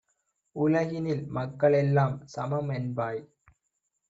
உலகினில் மக்கள் எல்லாம்சமம் என்பாய்;